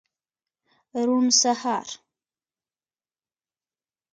روڼ سهار